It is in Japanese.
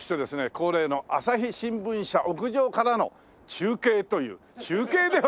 恒例の朝日新聞社屋上からの中継という中継ではないですね。